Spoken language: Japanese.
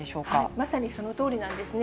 まさにそのとおりなんですね。